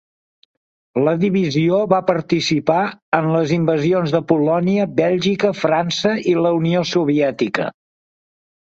La divisió va participar en les invasions de Polònia, Bèlgica, França i la Unió Soviètica.